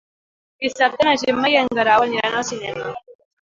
Dissabte na Gemma i en Guerau aniran al cinema.